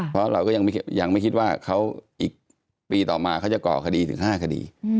เพราะเราก็ยังไม่คิดว่าเขาอีกปีต่อมาเขาจะก่อคดีถึง๕คดี